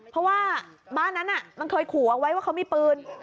เพราะว่าบ้านนั้นมันเคยขู่เอาไว้ว่าเขามีปืน